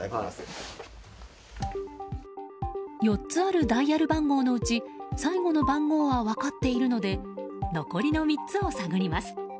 ４つあるダイヤル番号のうち最後の番号は分かっているので残りの３つを探ります。